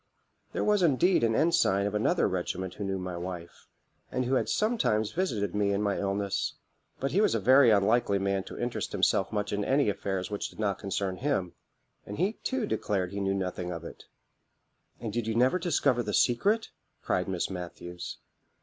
There was indeed an ensign of another regiment who knew my wife, and who had sometimes visited me in my illness; but he was a very unlikely man to interest himself much in any affairs which did not concern him; and he too declared he knew nothing of it." "And did you never discover this secret?" cried Miss Matthews.